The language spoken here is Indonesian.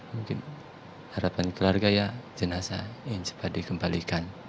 mungkin harapan keluarga ya jenazah ingin cepat dikembalikan